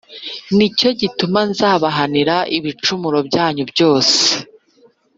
ni cyo gituma nzabahanira ibicumuro byanyu byose.”